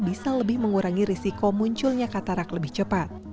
bisa lebih mengurangi risiko munculnya katarak lebih cepat